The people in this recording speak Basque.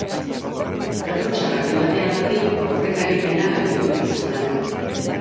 Tratu txarrak emateagatik aurrekari penalak ditu gizonak.